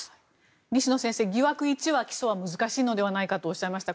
西野先生、疑惑１は起訴は難しいのではないかとおっしゃいました。